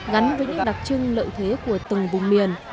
gắn với những đặc trưng lợi thế của từng vùng miền